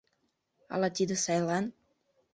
— Ала тиде сайлан.